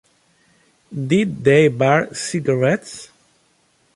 Did they bar cigarettes?